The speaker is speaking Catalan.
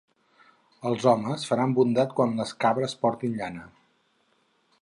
Els homes faran bondat quan les cabres portin llana.